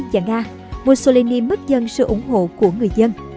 và nga mussolini mất dần sự ủng hộ của người dân